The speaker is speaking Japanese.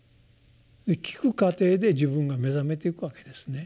聞く過程で自分が目覚めていくわけですね。